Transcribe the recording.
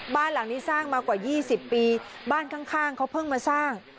บ้านหลังนี้สร้างมากว่า๒๐ปีบ้านข้างเขาเพิ่งมาสร้าง